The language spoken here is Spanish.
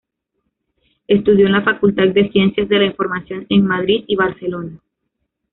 Estudió en la Facultad de Ciencias de la Información en Madrid y Barcelona.